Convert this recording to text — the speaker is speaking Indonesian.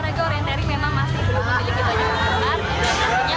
coba olahraga orienteering memang masih belum terlihat di jawa tengah